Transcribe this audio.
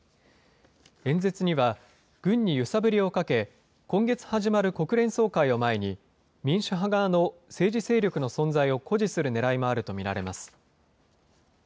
演説には、軍に揺さぶりをかけ、今月始まる国連総会を前に、民主派側の政治勢力の存在を誇示するねらいもあると見られます。